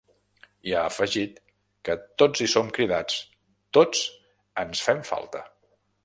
I ha afegit que ‘tots hi som cridats, tots ens fem falta’.